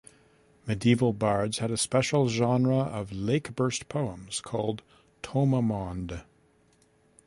Medieval bards had a special genre of lake-burst poems called "tomamond".